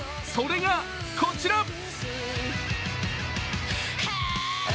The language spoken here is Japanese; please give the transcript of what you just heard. それがこちら。